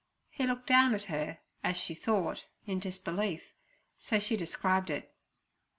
He looked down at her, as she thought, in disbelief, so she described it.